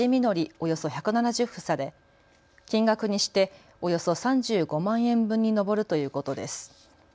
およそ１７０房で金額にしておよそ３５万円分に上るということです。